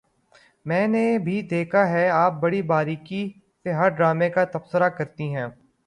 میں نے بھی دیکھا ہے کہ آپ بڑی باریک بینی سے ہر ڈرامے کا تبصرہ کرتی ہیں